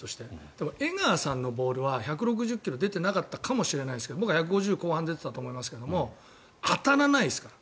でも、江川さんのボールは１６０ｋｍ出てなかったかもしれないですけど僕は１５０後半出てたと思いますけど当たらないですから。